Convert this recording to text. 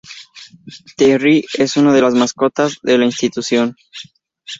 Terry es una de las mascotas de la institución.